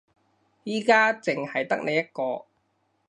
而家淨係得你一個